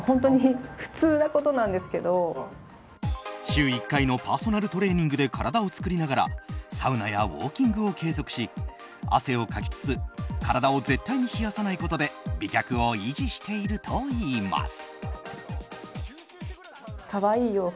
週１回のパーソナルトレーニングで体を作りながらサウナやウォーキングを継続し汗をかきつつ体を絶対に冷やさないことで美脚を維持しているといいます。